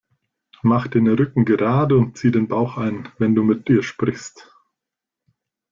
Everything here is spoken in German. Mach den Rücken gerade und zieh den Bauch ein, wenn du mit ihr sprichst!